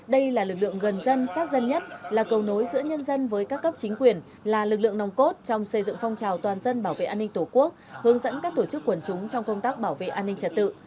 đây là lực lượng gần dân sát dân nhất là cầu nối giữa nhân dân với các cấp chính quyền là lực lượng nồng cốt trong xây dựng phong trào toàn dân bảo vệ an ninh tổ quốc hướng dẫn các tổ chức quần chúng trong công tác bảo vệ an ninh trật tự